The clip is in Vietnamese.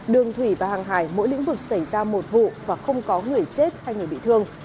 đường thủy và hàng hải mỗi lĩnh vực xảy ra một vụ và không có người chết hay người bị thương